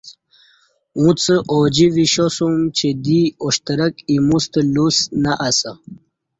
اُݩڅ اوجی وشاسوم چہ دی اوشترک ایموستہ لُوس نہ اسہ